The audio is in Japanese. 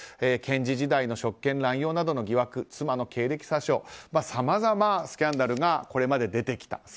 検事時代の職権乱用などの疑惑妻の経歴詐称さまざまなスキャンダルがこれまで出てきた。